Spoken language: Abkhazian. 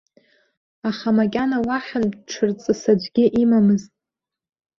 Аха макьана уахьынтә ҽырҵыс аӡәгьы имамызт.